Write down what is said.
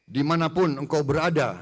dimanapun engkau berada